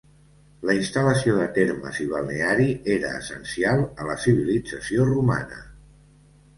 La instal·lació de termes i balneari era essencial a la civilització romana.